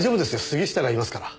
杉下がいますから。